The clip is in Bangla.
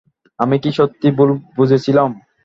আমি কি সত্যি ভুল বুঝেছিলুম?